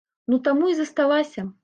Ну таму і засталася.